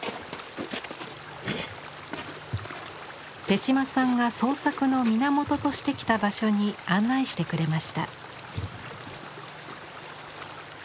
手島さんが創作の源としてきた場所に案内してくれました。